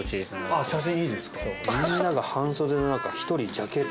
あっ写真いいですか。